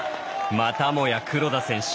またもや黒田選手。